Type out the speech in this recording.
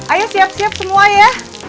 ayo siap siap semua ya